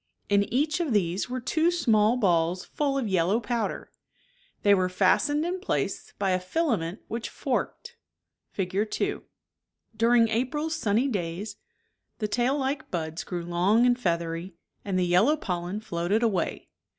In each of these were two small ballsfuU of yellow powder; they were fastened in place by a fila ment which forked (Fig. 2), During April's sunny days the tail ke buds grew long and feathery, and the yellow pollen floated away.